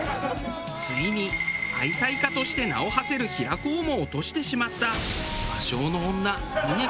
ついに愛妻家として名をはせる平子をも落としてしまった。